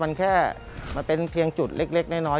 มันแค่มันเป็นเพียงจุดเล็กน้อย